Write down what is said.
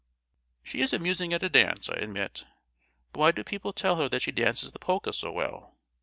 "She is amusing at a dance, I admit; but why do people tell her that she dances the polka so well?